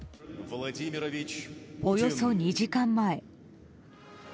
およそ２時間前。